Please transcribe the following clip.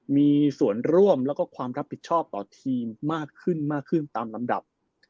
มีส่วนร่วมแล้วก็ความรับผิดชอบต่อทีมมากขึ้นมากขึ้นตามลำดับ